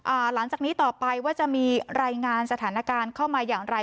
หลังจากนี้ต่อไปว่าจะมีรายงานสถานการณ์เข้ามาอย่างไร